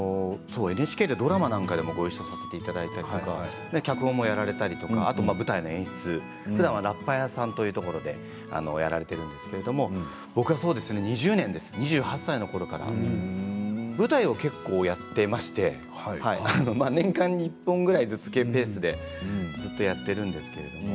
ＮＨＫでドラマなんかでもごいっしょさせていただいたりとか脚本もやられたりとか舞台の演出ふだんはラッパ屋さんというところでやられているんですけども僕は２０年です２８歳のころから舞台を結構やっていまして年間に１本ぐらいずつやっているんですけれども。